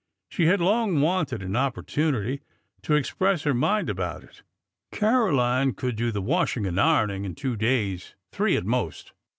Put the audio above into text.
She had long wanted an opportunity to express her mind about it. '' Caroline could do the washing and ironing in two days — three at most.